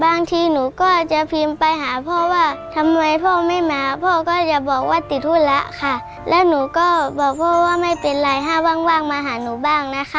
บางทีหนูก็จะพิมพ์ไปหาพ่อว่าทำไมพ่อไม่มาพ่อก็จะบอกว่าติดธุระค่ะแล้วหนูก็บอกพ่อว่าไม่เป็นไรถ้าว่างมาหาหนูบ้างนะคะ